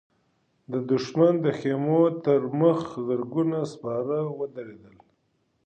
د دښمن د خيمو تر مخ زرګونه سپاره ودرېدل.